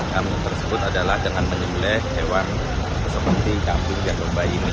dam tersebut adalah dengan menyebelah hewan seperti dam di jadubai ini